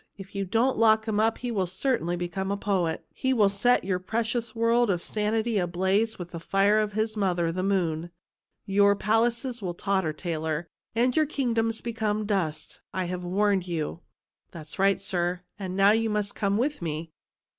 " If you don't lock him up he will certainly become a poet. He will set your precious world of sanity ablaze with the fire of his mother, the moon. Your palaces will totter, Taylor, and your kingdoms become as dust. I have warned you." " That's right, sir ; and now you must come with me."